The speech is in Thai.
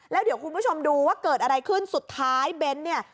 แล้วเดี๋ยวคุณผู้ชมดูว่าเกิดอะไรขึ้นสุดท้ายเบ้นเนี่ย